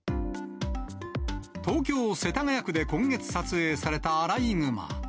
東京・世田谷区で今月撮影されたアライグマ。